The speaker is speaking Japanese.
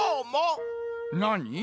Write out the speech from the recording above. なに？